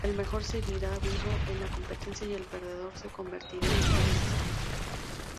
El mejor seguirá vivo en la competencia y el perdedor se convertirá en asistente.